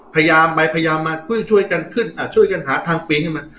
พยายามไปพยายามมาคุยช่วยกันขึ้นอ่าช่วยกันหาทางปีนขึ้นมา